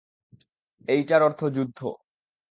এইটার অর্থ যুদ্ধ।